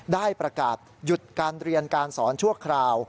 ได้ประกาศหยุดการเรียนการสอนชั่วคราว